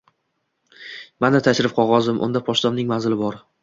Mana tashrif qog`ozim, unda pochtamning manzili bor